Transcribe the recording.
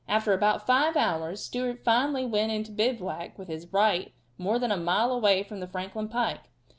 After about five hours Stewart finally went into bivouac with his right more than a mile away from the Franklin pike.